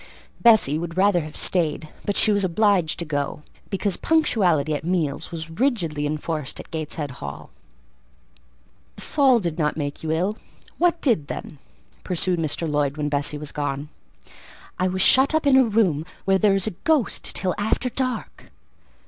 Bessie would rather have stayed, but she was obliged to go, because punctuality at meals was rigidly enforced at Gateshead Hall. "The fall did not make you ill; what did, then?" pursued Mr. Lloyd when Bessie was gone. "I was shut up in a room where there is a ghost till after dark."